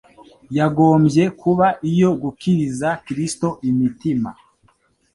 yagombye kuba iyo gukiriza Kristo imitima.